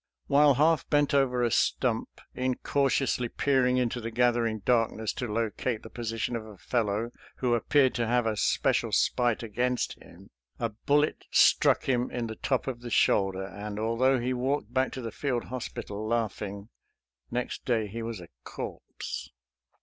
While half bent over a stump, incautiously peer ing into the gathering darkness to locate the position of a fellow who appeared to have a special spite against him, a bullet struck him in the top of the shoulder; and, although he walked back to the field hospital laughing, next day he was a corpse.